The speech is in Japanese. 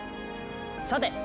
さて！